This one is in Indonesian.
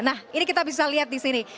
nah ini kita bisa lihat di sini